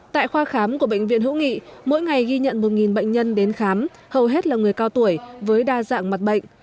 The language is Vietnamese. tại khoa khám của bệnh viện hữu nghị mỗi ngày ghi nhận một bệnh nhân đến khám hầu hết là người cao tuổi với đa dạng mặt bệnh